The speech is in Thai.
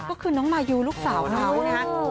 ก็คือน้องมายูลูกสาวน้องนะครับ